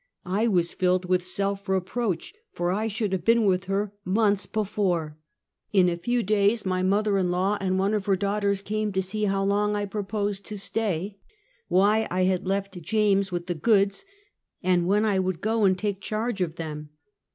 I was filled with self reproach, for I should have been with her months before. The Yalley of the Shadow of Death. 69 In a few days my mother in law and one of her daughters came to see how long I proposed to stay, why I had left James with the goods, and when I would go and take charge of them.